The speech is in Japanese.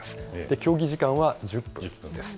競技時間は１０分です。